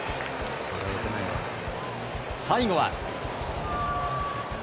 最後は。